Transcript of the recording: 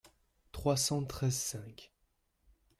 trois cent treize-cinq.